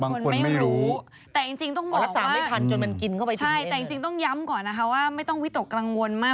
บางคนไม่รู้อรักษาไม่ทันจนมันกินเข้าไปถึงไหนแต่จริงต้องย้ำก่อนนะคะว่าไม่ต้องวิตกกลังวลมาก